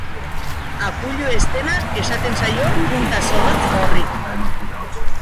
Akuilu-eztena esaten zaio punta zorrotz horri.